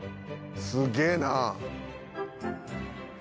すげえなあ」